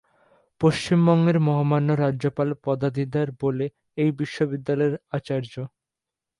পশ্চিমবঙ্গের মহামান্য রাজ্যপাল পদাধিকার বলে এই বিশ্ববিদ্যালয়ের আচার্য।